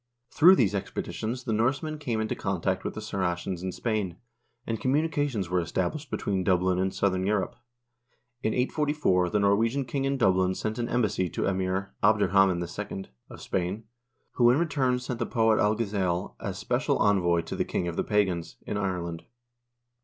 Through these expeditions the Norsemen came into contact with the Saracens in Spain, and communications were established between Dublin and southern Europe. In 844 the Norwegian king in Dublin sent an embassy to Emir Abderrhaman II. of Spain, who, in return, sent the poet Alghazal as special envoy to the "King of the Pagans" in Ireland.